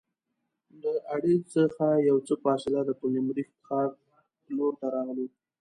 د اډې څخه یو څه فاصله د پلخمري ښار لور ته راغلو.